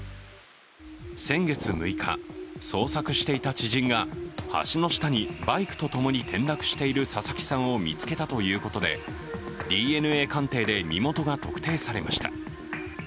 先月６日、捜索していた知人が橋の下にバイクとともに転落している佐々木さんを見つけたということでＤＮＡ鑑定で身元が特定されました。